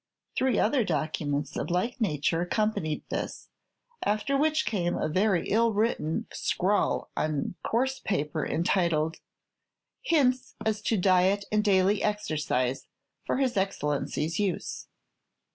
Three other documents of like nature accompanied this; after which came a very ill written scrawl on coarse paper, entitled, "Hints as to diet and daily exercise for his Excellency's use."